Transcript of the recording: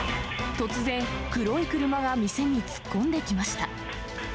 突然、黒い車が店に突っ込んできました。